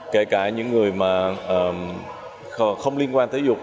kể cả những người mà không liên quan tới dục